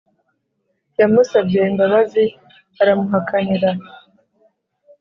yamusabye imbabazi aramuhakanira